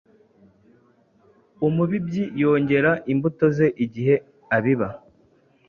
Umubibyi yongera imbuto ze igihe abiba.